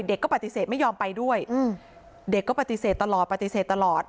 ก็ปฏิเสธไม่ยอมไปด้วยเด็กก็ปฏิเสธตลอดปฏิเสธตลอด